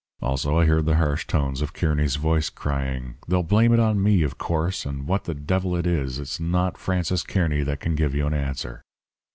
Also I heard the harsh tones of Kearny's voice crying: 'They'll blame it on me, of course, and what the devil it is, it's not Francis Kearny that can give you an answer.'